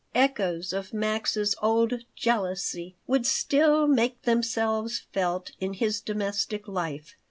Echoes of Max's old jealousy would still make themselves felt in his domestic life.